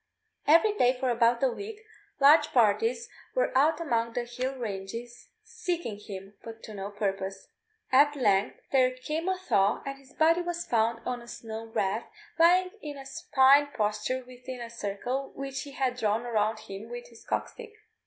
Every day for about a week large parties were out among the hill ranges seeking him, but to no purpose. At length there came a thaw, and his body was found on a snow wreath, lying in a supine posture within a circle which he had drawn around him with his cock stick.